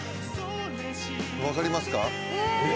分かりますか？